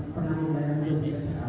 kalau memang mau ini diadukan